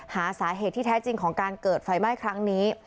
หาสาเหตุที่แท้จริงของการเกิดไฟไหม้ครั้งนี้